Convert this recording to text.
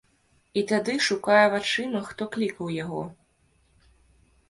І тады шукае вачыма, хто клікаў яго.